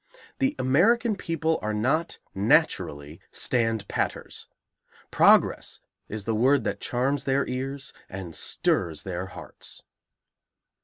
The American people are not naturally stand patters. Progress is the word that charms their ears and stirs their hearts.